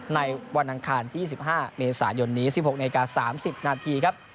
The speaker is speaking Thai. ในวันอังคารที่๒๕เมษายนนี้๑๖นาที๓๐นาทีครับ